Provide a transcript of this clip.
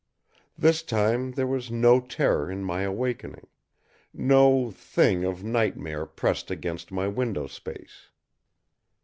This time there was no terror in my awakening. No Thing of nightmare pressed against my window space.